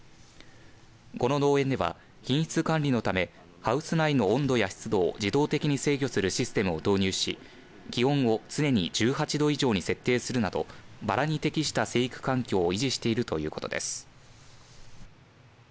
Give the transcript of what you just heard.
この農園では品質管理のためハウス内の温度や湿度を自動的に制御するシステムを導入し気温を常に１８度以上に設定するなどばらに適した生育環境を維持しているということです。